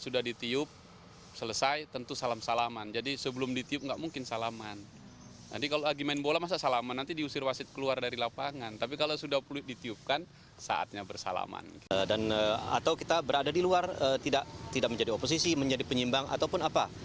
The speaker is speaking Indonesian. dan atau kita berada di luar tidak menjadi oposisi menjadi penyimbang ataupun apa